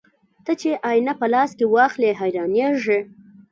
ته چې آيينه په لاس کې واخلې حيرانېږې